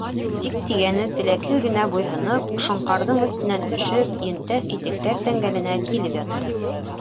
Дик тигәне теләкһеҙ генә буйһоноп, Шоңҡарҙың өҫтөнән төшөп, йөнтәҫ итектәр тәңгәленә килеп ятты.